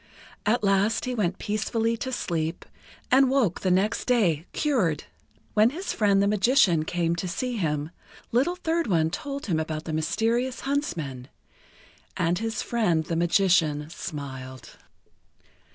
At last he went peacefully to sleep, and woke the next day cured. When his friend the Magician came to see him, Little Third One told him about the mysterious huntsmen, and his friend the Magician smiled.